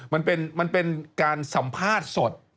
มันเป็นการสัมภาษณ์สด